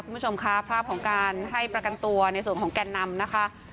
คุณผู้ชมค่ะภาพของการให้ประกันตัวในส่วนของแก่นนำนะคะ